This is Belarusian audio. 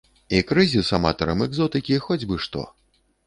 І крызіс аматарам экзотыкі хоць бы што.